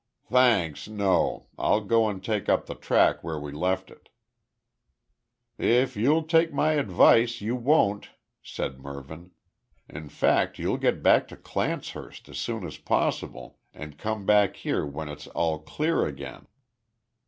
"Thanks, no. I'll go and take up the track where we left it." "If you'll take my advice you won't," said Mervyn. "In fact you'll get back to Clancehurst as soon as possible, and come back here when all's clear again.